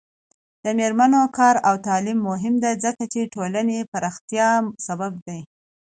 د میرمنو کار او تعلیم مهم دی ځکه چې ټولنې پراختیا سبب دی.